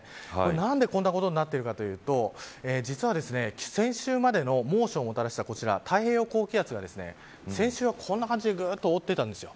何でこんなことになっているかというと実は先週までの猛暑をもたらしたこちら、太平洋高気圧が先週は、こんな感じでぐーっと覆っていたんです。